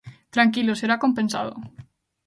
Tranquilo, será compensado.